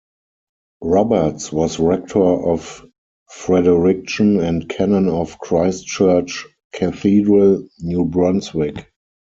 Roberts was rector of Fredericton and canon of Christ Church Cathedral, New Brunswick.